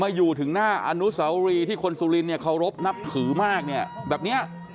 อยู่ถึงหน้าอนุสาวรีที่คนสุรินเนี่ยเคารพนับถือมากเนี่ยแบบเนี้ย